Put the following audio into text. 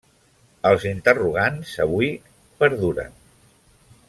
Els interrogants, avui, perduren.